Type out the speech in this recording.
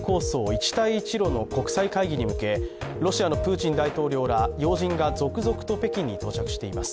一帯一路の国際会議に向けロシアのプーチン大統領ら要人が続々と北京に到着しています。